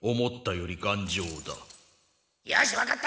よしわかった！